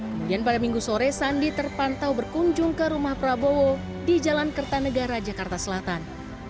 kemudian pada minggu sore sandi terpantau berkunjung ke rumah prabowo di jalan kertanegara jakarta selatan